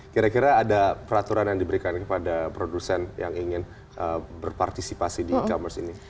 kira kira ada peraturan yang diberikan kepada produsen yang ingin berpartisipasi di e commerce ini